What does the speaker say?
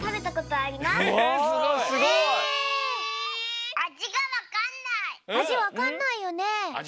あじわかんないね。